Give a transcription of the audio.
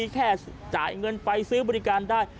แค่จ่ายเงินไปซื้อบริการได้